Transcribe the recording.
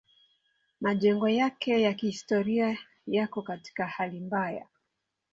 Majengo yake ya kihistoria yako katika hali mbaya.